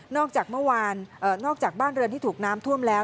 จากเมื่อวานนอกจากบ้านเรือนที่ถูกน้ำท่วมแล้ว